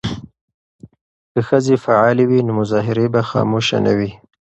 که ښځې فعالې وي نو مظاهرې به خاموشه نه وي.